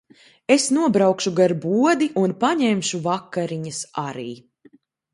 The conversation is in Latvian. Es nobraukšu gar bodi un paņemšu vakariņas arī.